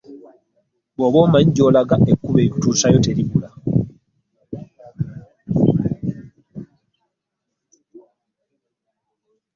Bwoba omanyi gy'olaga ekkubo erikutuusaayo teribula.